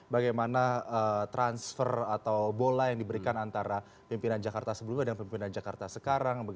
bagaimana transfer atau bola yang diberikan antara pimpinan jakarta sebelumnya dengan pimpinan jakarta sekarang